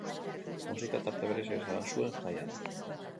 Musikak tarte berezia izan zuen jaian.